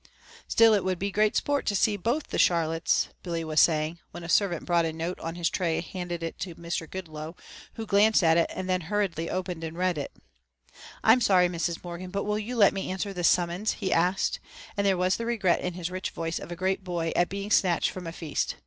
"Still it would be great sport to see both the Charlottes " Billy was saying, when a servant brought a note on his tray and handed it to Mr. Goodloe, who glanced at it and then hurriedly opened and read it. "I am sorry, Mrs. Morgan, but will you let me answer this summons?" he asked, and there was the regret in his rich voice of a great boy at being snatched from a feast.